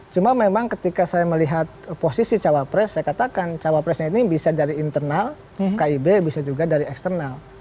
cuma memang ketika saya melihat posisi cawapres saya katakan cawapresnya ini bisa dari internal kib bisa juga dari eksternal